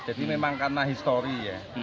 jadi memang karena history ya